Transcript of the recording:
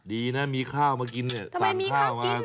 ดีนะมีข้าวมากินเนี่ยสั่งข้าวมา